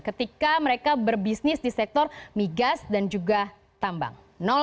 ketika mereka berbisnis di sektor migas dan juga tambang